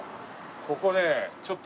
ここねちょっと。